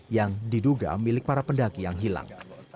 yang diduga milik para pendaki yang hilang